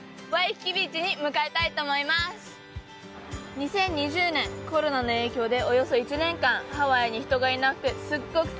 ２０２０年コロナの影響でおよそ１年間ハワイに人がいなくて。